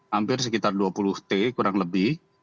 hampir sekitar dua puluh t kurang lebih